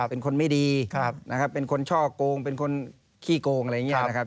เป็นคนไม่ดีนะครับเป็นคนช่อโกงเป็นคนขี้โกงอะไรอย่างนี้นะครับ